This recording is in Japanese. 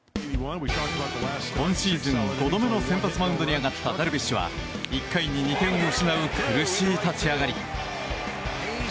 今シーズン５度目の先発マウンドに上がったダルビッシュは１回に２点を失う苦しい立ち上がり。